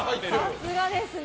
さすがですね。